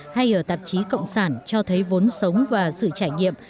hay ở tạp chí cộng sản cho thấy vốn sống và sự trải nghiệm